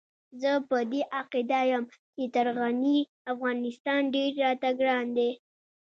زه په دې عقيده يم چې تر غني افغانستان ډېر راته ګران دی.